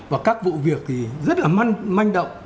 và các vụ việc thì rất là manh động